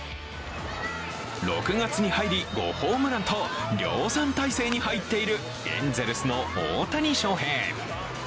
６月に入り、５ホームランと量産体制に入っているエンゼルスの大谷翔平。